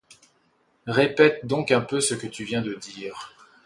Répète donc un peu ce que tu viens de dire.